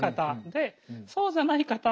でそうじゃない方